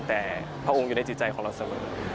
แต่พระองค์อยู่ในจิตใจของเราเสมอ